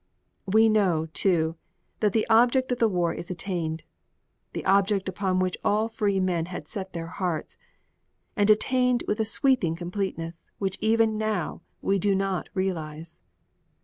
We know, too, that the object of the war is attained; the object upon which all free men had set their hearts; and attained with a sweeping completeness which even now we do not realize.